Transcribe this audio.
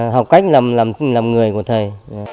học cách làm người của thầy